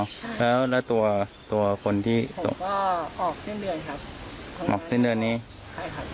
ใช่แล้วแล้วตัวตัวคนที่ส่งก็ออกสิ้นเดือนครับออกสิ้นเดือนนี้ใช่ครับ